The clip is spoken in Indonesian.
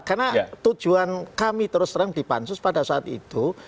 karena tujuan kami terus terang di pansus pada saat itu